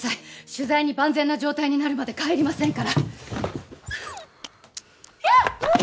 取材に万全な状態になるまで帰りませんからヒャッ！